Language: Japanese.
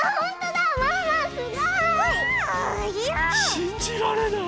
しんじられない。